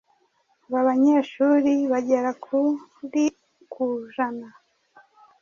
Aba banyeshuri bagera kuri kujana